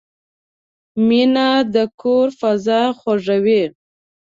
مینه د کور فضا خوږوي.